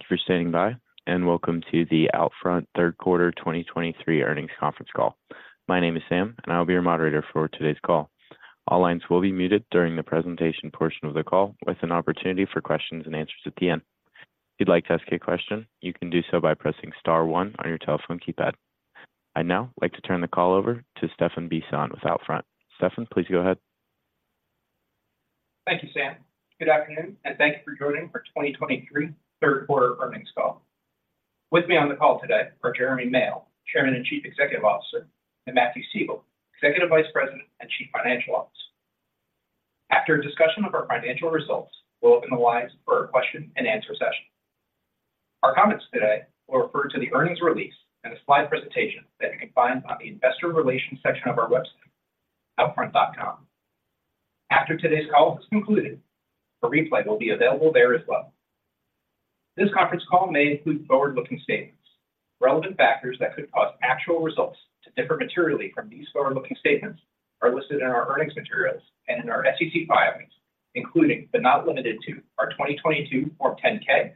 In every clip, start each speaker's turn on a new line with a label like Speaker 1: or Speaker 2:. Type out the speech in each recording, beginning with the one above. Speaker 1: Thank you for standing by, and welcome to the OUTFRONT third quarter 2023 earnings conference call. My name is Sam, and I'll be your moderator for today's call. All lines will be muted during the presentation portion of the call, with an opportunity for questions and answers at the end. If you'd like to ask a question, you can do so by pressing star one on your telephone keypad. I'd now like to turn the call over to Stephan Bisson with OUTFRONT. Stephan, please go ahead.
Speaker 2: Thank you, Sam. Good afternoon, and thank you for joining our 2023 third quarter earnings call. With me on the call today are Jeremy Male, Chairman and Chief Executive Officer, and Matthew Siegel, Executive Vice President and Chief Financial Officer. After a discussion of our financial results, we'll open the lines for a question and answer session. Our comments today will refer to the earnings release and a slide presentation that you can find on the investor relations section of our website, outfront.com. After today's call is concluded, a replay will be available there as well. This conference call may include forward-looking statements. Relevant factors that could cause actual results to differ materially from these forward-looking statements are listed in our earnings materials and in our SEC filings, including, but not limited to, our 2022 Form 10-K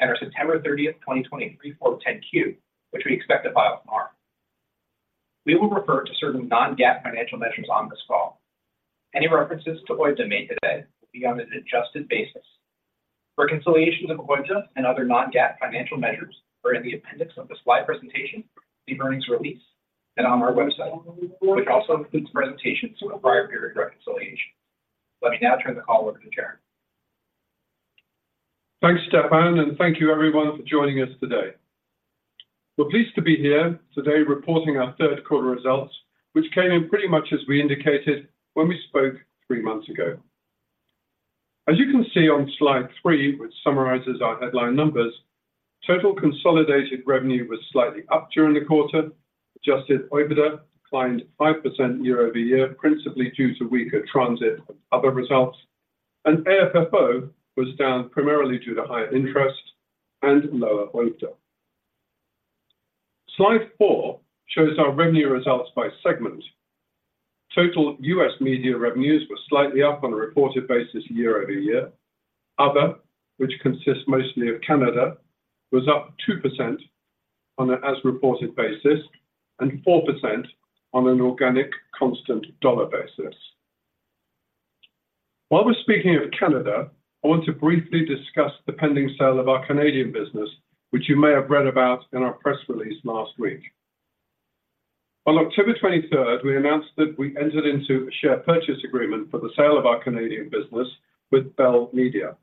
Speaker 2: and our September 30, 2023 Form 10-Q, which we expect to file tomorrow. We will refer to certain non-GAAP financial measures on this call. Any references to OIBDA made today will be on an adjusted basis. Reconciliation of OIBDA and other non-GAAP financial measures are in the appendix of the slide presentation, the earnings release, and on our website, which also includes presentations with prior period reconciliation. Let me now turn the call over to Jeremy.
Speaker 3: Thanks, Stephan, and thank you everyone for joining us today. We're pleased to be here today, reporting our third quarter results, which came in pretty much as we indicated when we spoke three months ago. As you can see on slide three, which summarizes our headline numbers, total consolidated revenue was slightly up during the quarter. Adjusted OIBDA declined 5% year-over-year, principally due to weaker transit and other results, and AFFO was down primarily due to higher interest and lower OIBDA. Slide four shows our revenue results by segment. Total U.S. media revenues were slightly up on a reported basis year-over-year. Other, which consists mostly of Canada, was up 2% on an as-reported basis and 4% on an organic constant dollar basis. While we're speaking of Canada, I want to briefly discuss the pending sale of our Canadian business, which you may have read about in our press release last week. On October 23rd, we announced that we entered into a share purchase agreement for the sale of our Canadian business with Bell Media.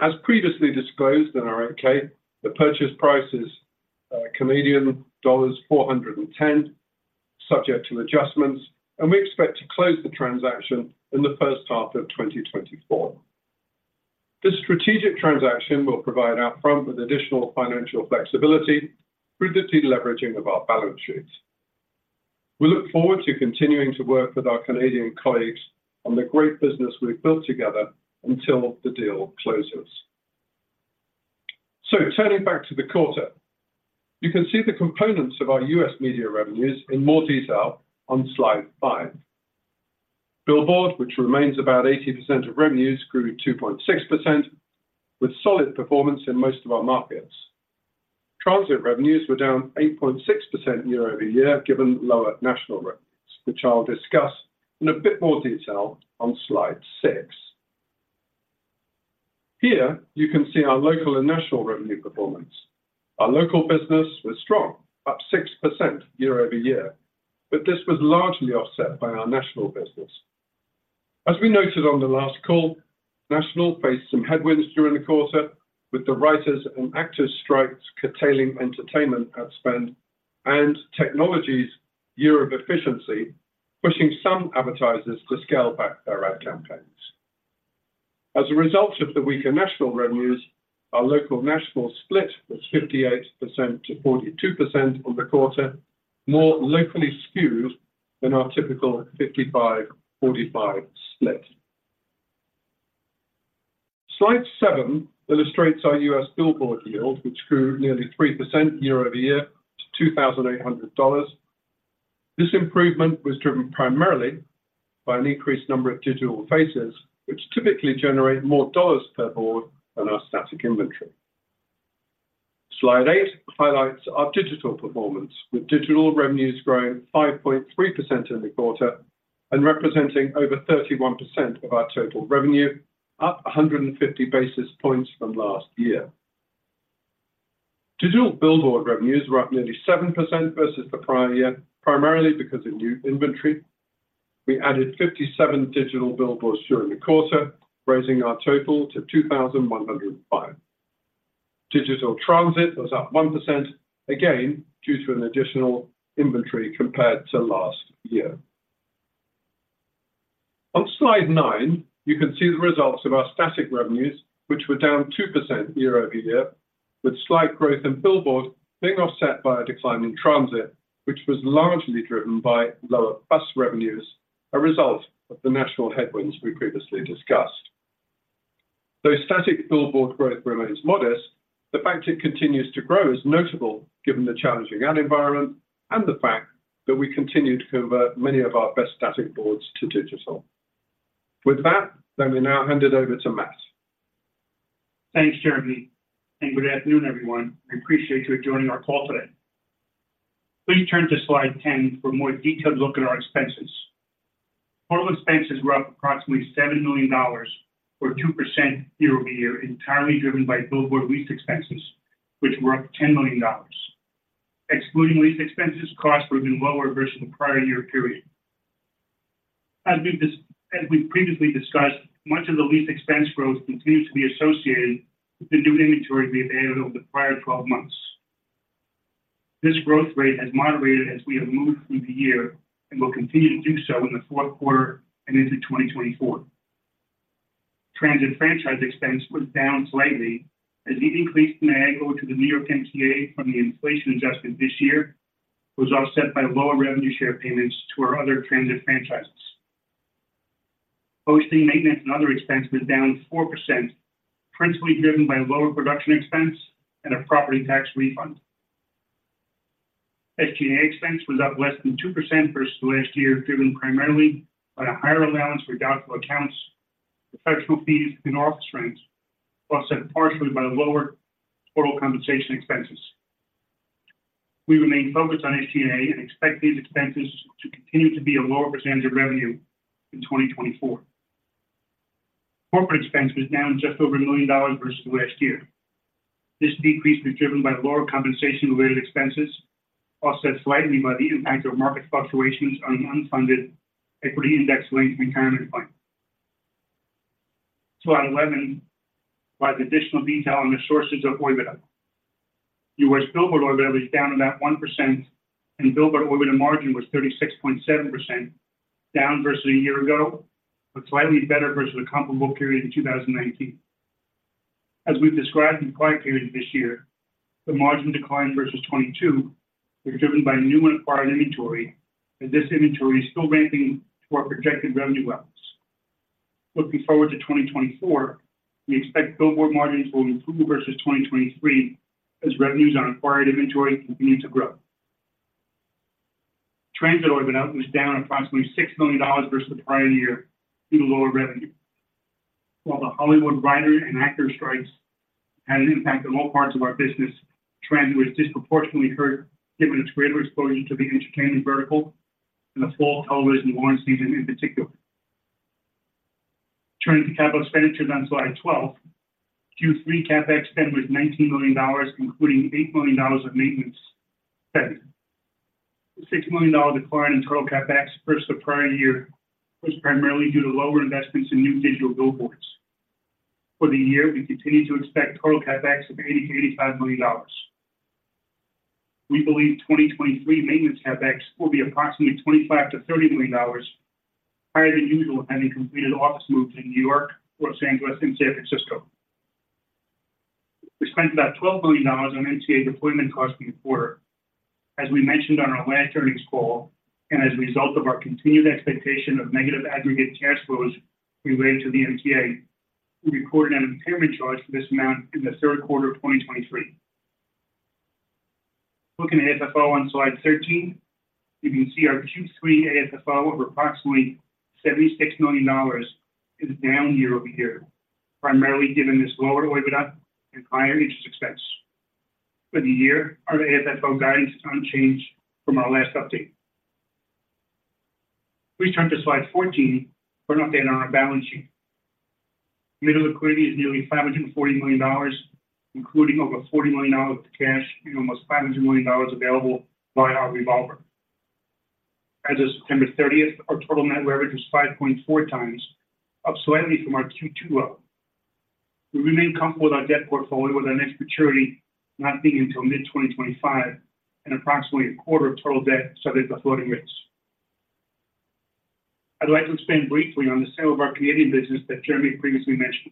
Speaker 3: As previously disclosed in our 10-K, the purchase price is Canadian dollars 410 million, subject to adjustments, and we expect to close the transaction in the first half of 2024. This strategic transaction will provide OUTFRONT with additional financial flexibility through the deleveraging of our balance sheets. We look forward to continuing to work with our Canadian colleagues on the great business we've built together until the deal closes. So turning back to the quarter, you can see the components of our U.S. media revenues in more detail on slide five. Billboards, which remains about 80% of revenues, grew 2.6%, with solid performance in most of our markets. Transit revenues were down 8.6% year-over-year, given lower national rates, which I'll discuss in a bit more detail on slide six. Here, you can see our local and national revenue performance. Our local business was strong, up 6% year-over-year, but this was largely offset by our national business. As we noted on the last call, national faced some headwinds during the quarter, with the writers and actors strikes curtailing entertainment ad spend and technology's year of efficiency, pushing some advertisers to scale back their ad campaigns. As a result of the weaker national revenues, our local national split was 58%-42% on the quarter, more locally skewed than our typical 55-45 split. Slide seven illustrates our U.S. billboard yield, which grew nearly 3% year-over-year to $2,800. This improvement was driven primarily by an increased number of digital faces, which typically generate more dollars per board than our static inventory. Slide eight highlights our digital performance, with digital revenues growing 5.3% in the quarter and representing over 31% of our total revenue, up 150 basis points from last year. Digital billboard revenues were up nearly 7% versus the prior year, primarily because of new inventory. We added 57 digital billboards during the quarter, raising our total to 2,105. Digital transit was up 1%, again, due to an additional inventory compared to last year. On slide nine, you can see the results of our static revenues, which were down 2% year-over-year, with slight growth in billboard being offset by a decline in transit, which was largely driven by lower bus revenues, a result of the national headwinds we previously discussed. Though static billboard growth remains modest, the fact it continues to grow is notable given the challenging ad environment and the fact that we continue to convert many of our best static boards to digital.... With that, let me now hand it over to Matt.
Speaker 4: Thanks, Jeremy, and good afternoon, everyone. I appreciate you joining our call today. Please turn to slide 10 for a more detailed look at our expenses. Total expenses were up approximately $7 million, or 2% year-over-year, entirely driven by billboard lease expenses, which were up $10 million. Excluding lease expenses, costs were even lower versus the prior year period. As we've previously discussed, much of the lease expense growth continues to be associated with the new inventory we've added over the prior 12 months. This growth rate has moderated as we have moved through the year and will continue to do so in the fourth quarter and into 2024. Transit franchise expense was down slightly, as the increased MAG over to the New York MTA from the inflation adjustment this year was offset by lower revenue share payments to our other transit franchises. Hosting, maintenance, and other expenses down 4%, principally driven by lower production expense and a property tax refund. SG&A expense was up less than 2% versus last year, driven primarily by a higher allowance for doubtful accounts, the professional fees in office rents, offset partially by lower total compensation expenses. We remain focused on SG&A and expect these expenses to continue to be a lower percentage of revenue in 2024. Corporate expense was down just over $1 million versus last year. This decrease was driven by lower compensation-related expenses, offset slightly by the impact of market fluctuations on the unfunded equity index-linked retirement plan. Slide 11 provides additional detail on the sources of OIBDA. U.S. billboard OIBDA was down about 1%, and billboard OIBDA margin was 36.7%, down versus a year ago, but slightly better versus the comparable period in 2019. As we've described in prior periods this year, the margin decline versus 2022 was driven by new and acquired inventory, and this inventory is still ramping to our projected revenue levels. Looking forward to 2024, we expect billboard margins will improve versus 2023 as revenues on acquired inventory continue to grow. Transit OIBDA was down approximately $6 million versus the prior year due to lower revenue. While the Hollywood writer and actor strikes had an impact on all parts of our business, transit was disproportionately hurt, given its greater exposure to the entertainment vertical and the fall television launch season in particular. Turning to capital expenditures on slide 12. Q3 CapEx spend was $19 million, including $8 million of maintenance spending. The $6 million decline in total CapEx versus the prior year was primarily due to lower investments in new digital billboards. For the year, we continue to expect total CapEx of $80 million-$85 million. We believe 2023 maintenance CapEx will be approximately $25 million-$30 million, higher than usual, having completed office moves in New York, Los Angeles, and San Francisco. We spent about $12 million on MTA deployment costs in the quarter. As we mentioned on our last earnings call, and as a result of our continued expectation of negative aggregate cash flows related to the MTA, we recorded an impairment charge for this amount in the third quarter of 2023. Looking at FFO on slide 13, you can see our Q3 FFO of approximately $76 million is down year-over-year, primarily given this lower OIBDA and higher interest expense. For the year, our FFO guidance is unchanged from our last update. Please turn to slide 14 for an update on our balance sheet. Liquidity is nearly $540 million, including over $40 million of cash and almost $500 million available on our revolver. As of September 30, our total net leverage was 5.4 times, up slightly from our Q2 level. We remain comfortable with our debt portfolio, with our next maturity not being until mid-2025 and approximately a quarter of total debt subject to floating rates. I'd like to expand briefly on the sale of our Canadian business that Jeremy previously mentioned.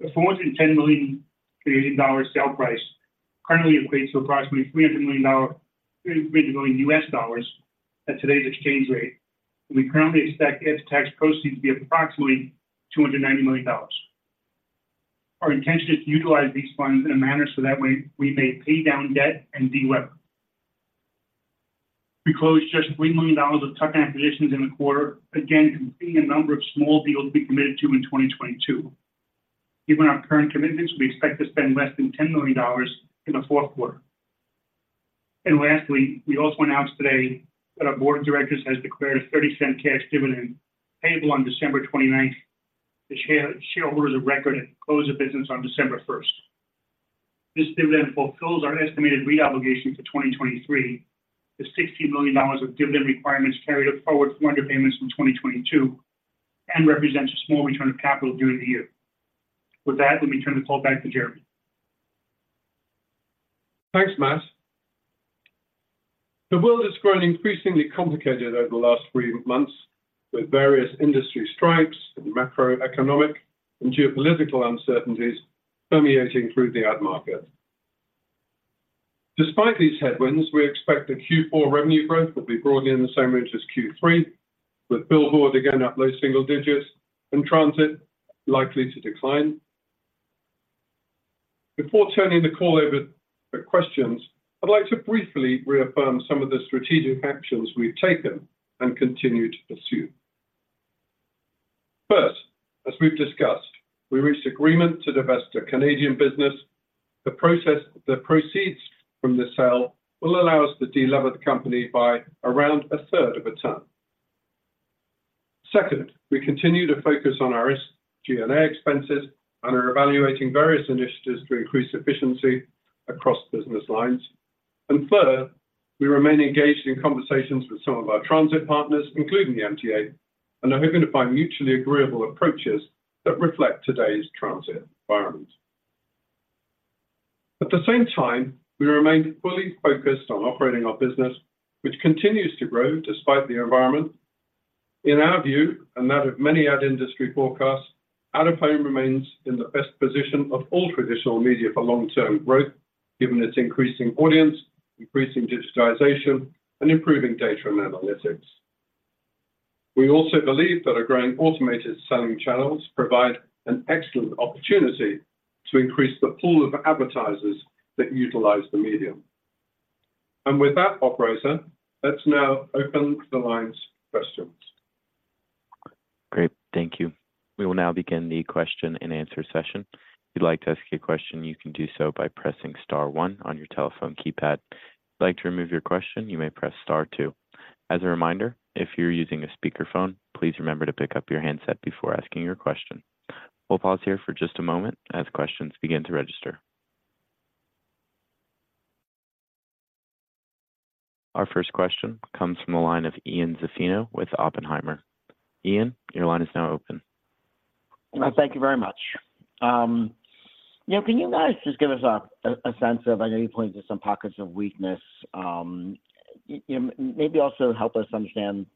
Speaker 4: The 410 million Canadian dollar sale price currently equates to approximately $300 million—$300 million at today's exchange rate. We currently expect its tax proceeds to be approximately $290 million. Our intention is to utilize these funds in a manner so that way we may pay down debt and delever. We closed just $3 million of tuck-in acquisitions in the quarter, again, completing a number of small deals we committed to in 2022. Given our current commitments, we expect to spend less than $10 million in the fourth quarter. Lastly, we also announced today that our board of directors has declared a $0.30 cash dividend payable on December twenty-ninth. The shareholders of record at close of business on December first. This dividend fulfills our estimated REIT obligation for 2023, the $60 million of dividend requirements carried forward from underpayments from 2022 and represents a small return of capital during the year. With that, let me turn the call back to Jeremy.
Speaker 3: Thanks, Matt. The world has grown increasingly complicated over the last three months, with various industry strikes and macroeconomic and geopolitical uncertainties permeating through the ad market. Despite these headwinds, we expect that Q4 revenue growth will be broadly in the same range as Q3, with billboard again up low single digits and transit likely to decline. Before turning the call over to questions, I'd like to briefly reaffirm some of the strategic actions we've taken and continue to pursue. First, as we've discussed, we reached agreement to divest the Canadian business. The proceeds from the sale will allow us to delever the company by around a third of a ton. Second, we continue to focus on our SG&A expenses and are evaluating various initiatives to increase efficiency across business lines. Third, we remain engaged in conversations with some of our transit partners, including the MTA, and are hoping to find mutually agreeable approaches that reflect today's transit environment. At the same time, we remain fully focused on operating our business, which continues to grow despite the environment. In our view, and that of many ad industry forecasts, out-of-home remains in the best position of all traditional media for long-term growth, given its increasing audience, increasing digitization, and improving data and analytics. We also believe that our growing automated selling channels provide an excellent opportunity to increase the pool of advertisers that utilize the medium. And with that, Operator, let's now open the lines for questions.
Speaker 1: Great, thank you. We will now begin the question and answer session. If you'd like to ask a question, you can do so by pressing star one on your telephone keypad. If you'd like to remove your question, you may press star two. As a reminder, if you're using a speakerphone, please remember to pick up your handset before asking your question. We'll pause here for just a moment as questions begin to register. Our first question comes from the line of Ian Zaffino with Oppenheimer. Ian, your line is now open.
Speaker 5: Thank you very much. You know, can you guys just give us a sense of, I know you pointed to some pockets of weakness, you know, maybe also help us understand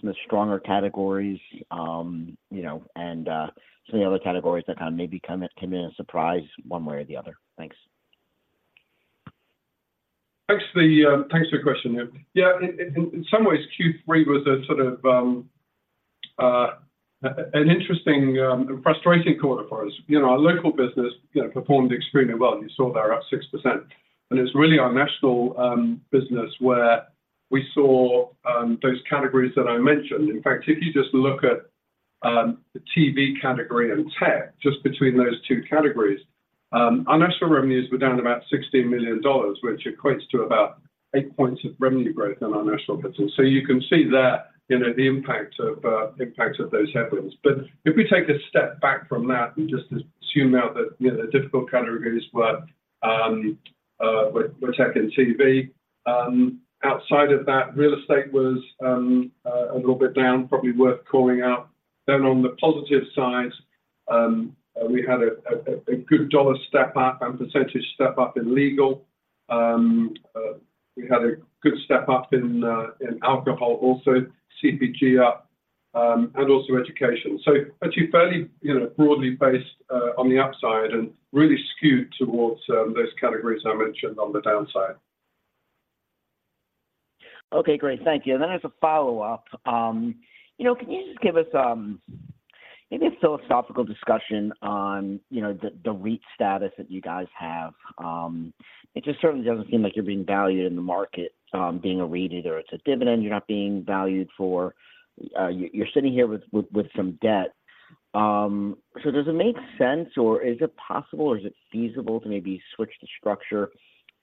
Speaker 5: some of the stronger categories, you know, and some of the other categories that kind of maybe come in as a surprise one way or the other. Thanks.
Speaker 3: Thanks for the thanks for the question, Ian. Yeah, in some ways, Q3 was a sort of an interesting and frustrating quarter for us. You know, our local business, you know, performed extremely well. You saw there, up 6%. And it's really our national business where we saw those categories that I mentioned. In fact, if you just look at the TV category and tech, just between those two categories, our national revenues were down about $16 million, which equates to about 8 points of revenue growth in our national business. So you can see that, you know, the impact of impact of those headwinds. But if we take a step back from that and just assume out that, you know, the difficult categories were tech and TV, outside of that, real estate was a little bit down, probably worth calling out. Then on the positive side, we had a good dollar step up and percentage step up in legal. We had a good step up in alcohol, also CPG up, and also education. So actually fairly, you know, broadly based on the upside and really skewed towards those categories I mentioned on the downside.
Speaker 5: Okay, great. Thank you. And then as a follow-up, you know, can you just give us, maybe a philosophical discussion on, you know, the REIT status that you guys have? It just certainly doesn't seem like you're being valued in the market, being a REITed or it's a dividend you're not being valued for. You're sitting here with some debt. So does it make sense or is it possible or is it feasible to maybe switch the structure?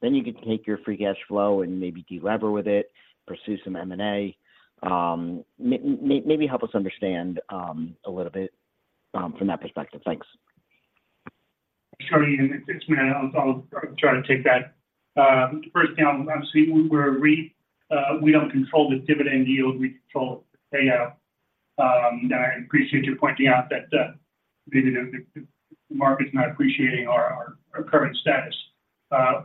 Speaker 5: Then you could take your free cash flow and maybe delever with it, pursue some M&A. Maybe help us understand, a little bit, from that perspective. Thanks.
Speaker 4: Sure, Ian. It's Matt. I'll try to take that. First down, obviously, we're a REIT. We don't control the dividend yield, we control the payout. And I appreciate you pointing out that the market's not appreciating our current status.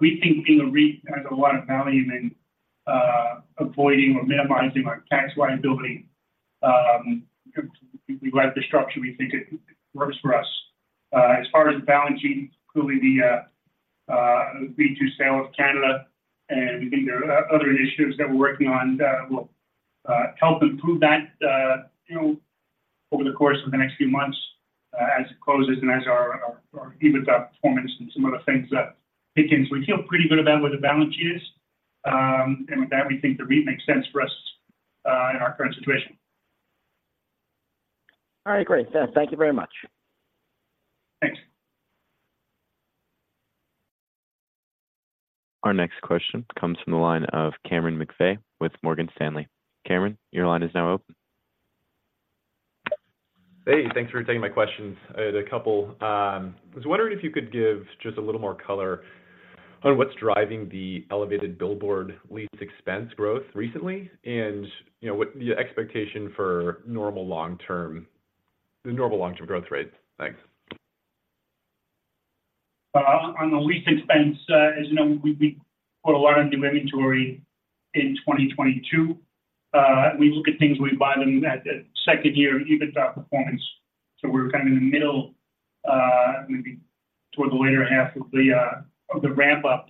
Speaker 4: We think being a REIT has a lot of value in avoiding or minimizing our tax liability. We like the structure, we think it works for us. As far as the balance sheet, including the pending sale of Canada, and we think there are other initiatives that we're working on that will help improve that, you know, over the course of the next few months, as it closes and as our EBITDA performance and some other things kick in. We feel pretty good about where the balance sheet is, and with that, we think the REIT makes sense for us, in our current situation.
Speaker 5: All right, great. Yeah, thank you very much.
Speaker 3: Thanks.
Speaker 1: Our next question comes from the line of Cameron McVeigh with Morgan Stanley. Cameron, your line is now open.
Speaker 6: Hey, thanks for taking my questions. I had a couple. I was wondering if you could give just a little more color on what's driving the elevated billboard lease expense growth recently, and you know, what the expectation for normal long-term, the normal long-term growth rate. Thanks.
Speaker 4: On the lease expense, as you know, we put a lot on new inventory in 2022. We look at things, we buy them at the second year, EBITDA performance, so we're kind of in the middle, maybe toward the latter half of the ramp-up.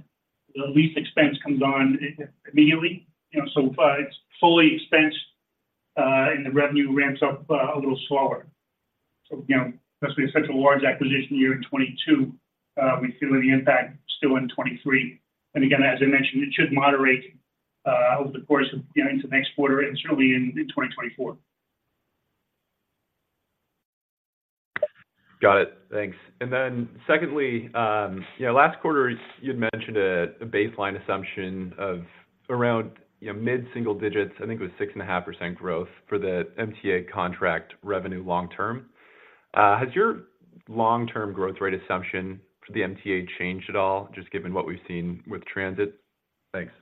Speaker 4: The lease expense comes on immediately, you know, so it's fully expensed-... and the revenue ramps up a little slower. So, you know, that's been a central large acquisition year in 2022. We feel the impact still in 2023. And again, as I mentioned, it should moderate over the course of, you know, into next quarter and certainly in 2024.
Speaker 6: Got it. Thanks. And then secondly, you know, last quarter, you'd mentioned a baseline assumption of around, you know, mid-single digits. I think it was 6.5% growth for the MTA contract revenue long term. Has your long-term growth rate assumption for the MTA changed at all, just given what we've seen with transit? Thanks.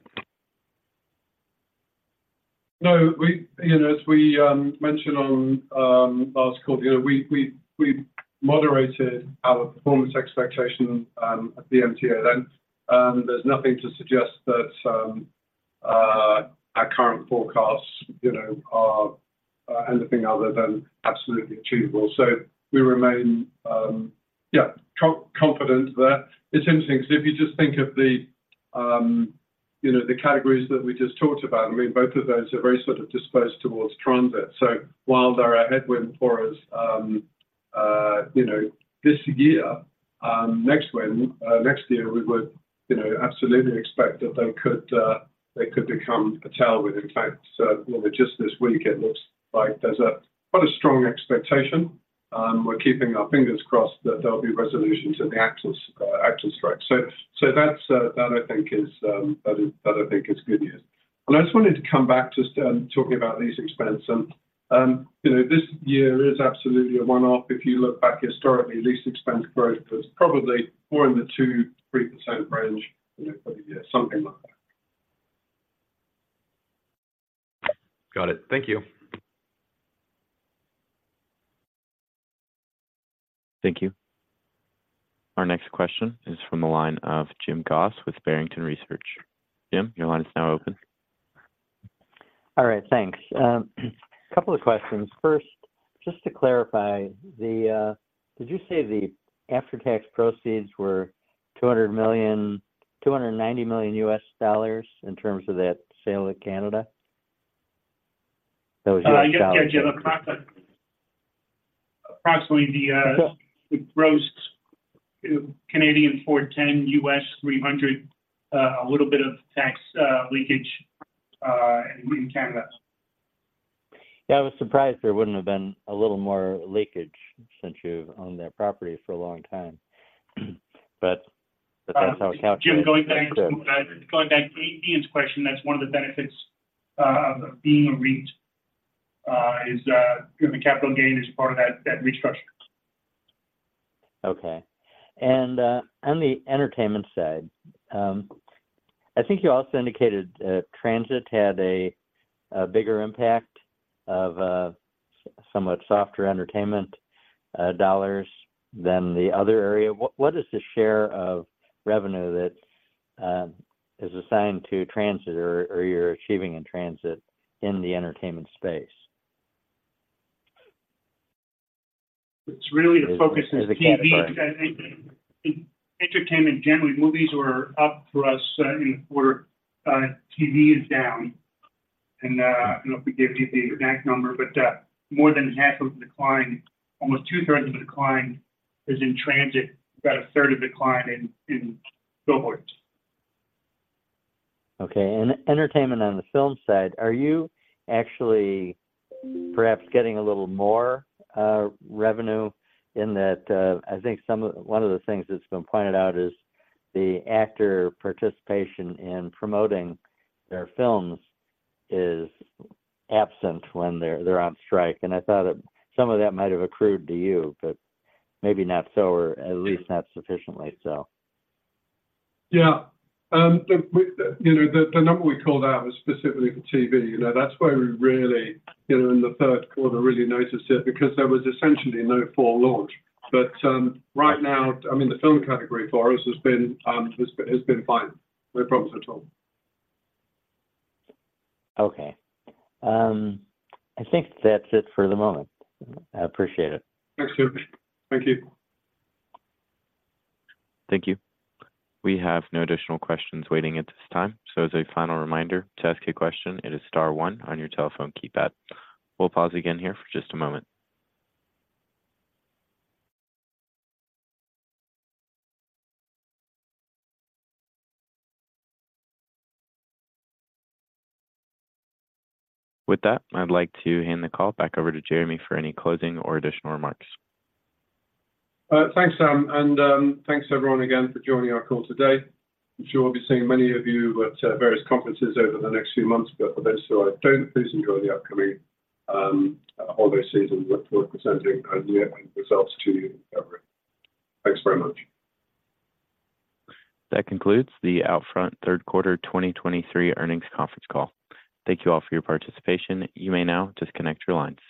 Speaker 3: No, we, you know, as we mentioned on last call, you know, we moderated our performance expectation at the MTA then. And there's nothing to suggest that our current forecasts, you know, are anything other than absolutely achievable. So we remain, yeah, confident there. It's interesting, so if you just think of the, you know, the categories that we just talked about, I mean, both of those are very sort of disposed towards transit. So while they're a headwind for us, you know, this year, next year, we would, you know, absolutely expect that they could become a tailwind. In fact, just this week, it looks like there's quite a strong expectation, and we're keeping our fingers crossed that there'll be resolutions in the actors' strike. So that's that I think is good news. And I just wanted to come back to talking about lease expense. And you know, this year is absolutely a one-off. If you look back historically, lease expense growth was probably more in the 2%-3% range, you know, but yeah, something like that.
Speaker 6: Got it. Thank you.
Speaker 1: Thank you. Our next question is from the line of Jim Goss with Barrington Research. Jim, your line is now open.
Speaker 7: All right, thanks. A couple of questions. First, just to clarify, the, did you say the after-tax proceeds were $200 million-$290 million in terms of that sale of Canada? That was-
Speaker 4: Yeah, Jim, approximately the gross 410 million, $300 million, a little bit of tax leakage in Canada.
Speaker 7: Yeah, I was surprised there wouldn't have been a little more leakage since you've owned that property for a long time. But, but that's how it calculated.
Speaker 4: Jim, going back to, going back to Ian's question, that's one of the benefits of being a REIT, is the capital gain is part of that, that REIT structure.
Speaker 7: Okay. And on the entertainment side, I think you also indicated transit had a bigger impact of somewhat softer entertainment dollars than the other area. What is the share of revenue that is assigned to transit or you're achieving in transit in the entertainment space?
Speaker 4: It's really the focus is TV. Entertainment, generally, movies were up for us, in where, TV is down. And, I don't know if we gave you the exact number, but, more than half of the decline, almost two-thirds of the decline is in transit, about a third of the decline in billboards.
Speaker 7: Okay. And entertainment on the film side, are you actually perhaps getting a little more revenue in that? I think one of the things that's been pointed out is the actor participation in promoting their films is absent when they're on strike, and I thought some of that might have accrued to you, but maybe not so, or at least not sufficiently so.
Speaker 3: Yeah. The number we called out was specifically for TV. You know, that's where we really, you know, in the third quarter, really noticed it because there was essentially no fall launch. But, right now, I mean, the film category for us has been fine. No problems at all.
Speaker 7: Okay. I think that's it for the moment. I appreciate it.
Speaker 3: Thanks, Jim. Thank you.
Speaker 1: Thank you. We have no additional questions waiting at this time, so as a final reminder, to ask a question, it is star one on your telephone keypad. We'll pause again here for just a moment. With that, I'd like to hand the call back over to Jeremy for any closing or additional remarks.
Speaker 3: Thanks, Sam, and thanks everyone again for joining our call today. I'm sure we'll be seeing many of you at various conferences over the next few months. But for those who I don't, please enjoy the upcoming holiday season. We're looking forward to presenting our year-end results to you in February. Thanks very much.
Speaker 1: That concludes the OUTFRONT third quarter 2023 earnings conference call. Thank you all for your participation. You may now disconnect your lines.